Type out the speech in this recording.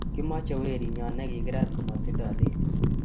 kimache werinyon nekikirat komatindo lelut